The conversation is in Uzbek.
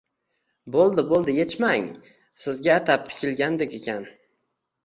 “Bo’ldi-bo’ldi yechmang, Sizga atab tikilgandek ekan.